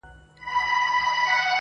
• څه دولت به هم ترلاسه په ریشتیا کړې -